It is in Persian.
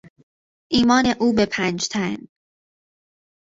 ایمان او به پنجتن